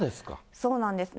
そうなんです。